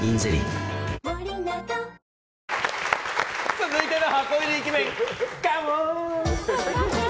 続いての箱入りイケメンカモン！